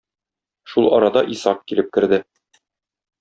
Шул арада Исак килеп керде.